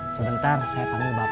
sebentar saya panggil bapak